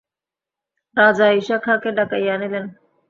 রাজা ইশা খাঁকে ডাকাইয়া আনিলেন।